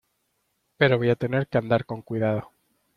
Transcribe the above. pero voy a tener que andar con cuidado.